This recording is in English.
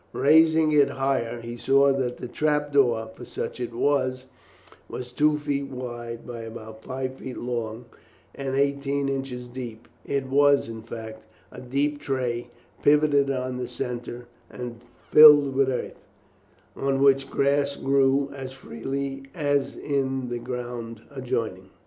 Raising it higher, he saw that the trap door for such it was was two feet wide by about five feet long and eighteen inches deep; it was, in fact, a deep tray pivoted on the centre and filled with earth, on which grass grew as freely as in the ground adjoining.